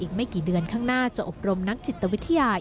อีกไม่กี่เดือนข้างหน้าจะอบรมนักจิตวิทยา